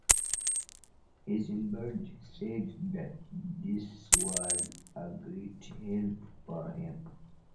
Heisenberg said that this was a great help for him.